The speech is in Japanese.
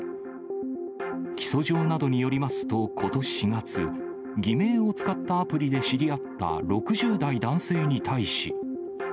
起訴状などによりますと、ことし４月、偽名を使ったアプリで知り合った６０代男性に対し。